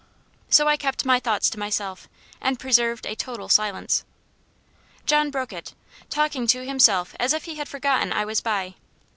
So I kept my thoughts to myself, and preserved a total silence. John broke it talking to himself as if he had forgotten I was by.